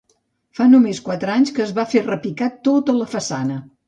Fa només quatre anys que es va repicar tota la façana.